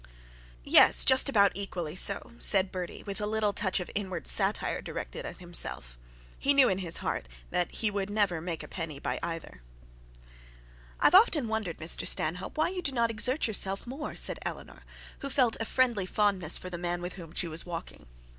'Yes, just about equally so,' said Bertie with a little touch of inward satire directed at himself. He knew in his heart that he would never make a penny by either. 'I have often wondered, Mr Stanhope, why you do not exert yourself more,' said Eleanor, who felt a friendly fondness for the man with whom she was walking.